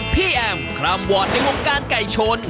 พี่แอบคล่ามวอร์ดและวงการไก่ชน